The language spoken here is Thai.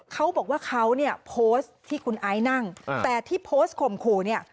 เขาบอกว่าเขาเนี่ยโพสต์ที่คุณไอซ์นั่งแต่ที่โพสต์ข่มขู่เนี่ย